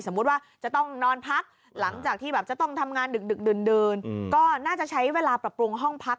ว่าจะต้องนอนพักหลังจากที่แบบจะต้องทำงานดึกดื่นก็น่าจะใช้เวลาปรับปรุงห้องพัก